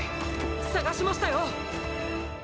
捜しましたよ！